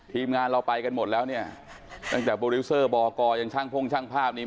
ทีมงานเราไปกันหมดแล้วเนี่ยตั้งแต่โปรดิวเซอร์บอกอยังช่างพ่งช่างภาพนี้